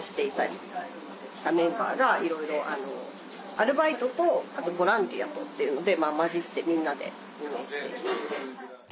アルバイトとあとボランティアとっていうので交じってみんなで運営しています。